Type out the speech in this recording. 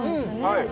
はい